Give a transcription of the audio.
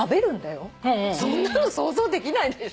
そんなの想像できないでしょ？